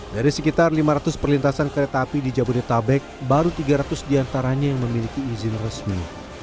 dari sekitar lima ratus perlintasan kereta api di jabodetabek baru tiga ratus diantaranya yang memiliki izin resmi